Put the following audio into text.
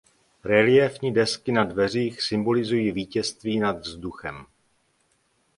Reliéfní desky na dveřích symbolizují vítězství nad vzduchem.